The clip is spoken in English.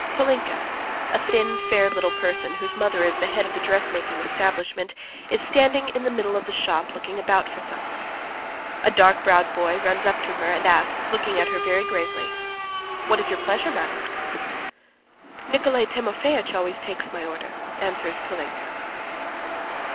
Polinka, a thin fair little person whose mother is the head of a dressmaking establishment, is standing in the middle of the shop looking about for some one. A dark browed boy runs up to her and asks, looking at her very gravely: "What is your pleasure, madam?" "Nikolay Timofeitch always takes my order," answers Polinka.